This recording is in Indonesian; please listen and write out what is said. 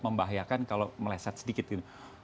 membahayakan kalau meleset sedikit gitu